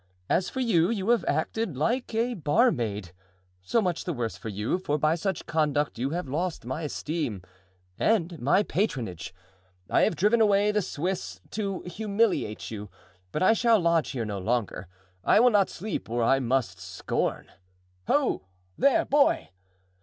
As for you, you have acted like a barmaid. So much the worse for you, for by such conduct you have lost my esteem and my patronage. I have driven away the Swiss to humiliate you, but I shall lodge here no longer. I will not sleep where I must scorn. Ho, there, boy!